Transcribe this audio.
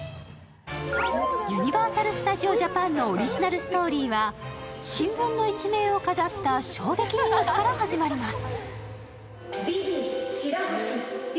ユニバーサル・スタジオ・ジャパンのオリジナルストーリーは、新聞の一面を飾った衝撃ニュースから始まります。